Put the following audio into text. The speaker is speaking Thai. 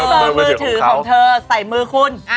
เบอร์มือถือของเธอใส่มือคุณ